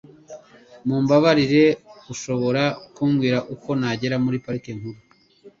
Mumbabarire ushobora kumbwira uko nagera muri Parike Nkuru?